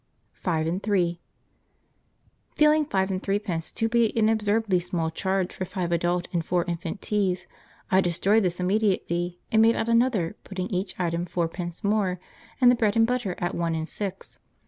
6 5 3 Feeling five and threepence to be an absurdly small charge for five adult and four infant teas, I destroyed this immediately, and made out another, putting each item fourpence more, and the bread and butter at one and six.